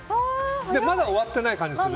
でもまだ終わってない感じする。